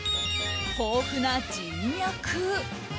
豊富な人脈！